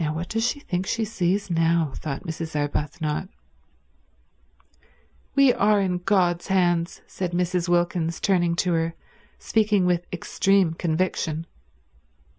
"Now what does she think she sees now?" thought Mrs. Arbuthnot. "We are in God's hands," said Mrs. Wilkins, turning to her, speaking with extreme conviction.